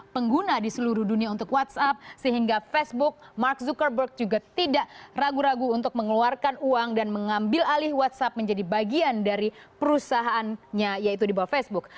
pengguna di seluruh dunia untuk whatsapp sehingga facebook mark zuckerberg juga tidak ragu ragu untuk mengeluarkan uang dan mengambil alih whatsapp menjadi bagian dari perusahaannya yaitu di bawah facebook